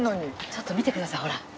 ちょっと見てくださいほら。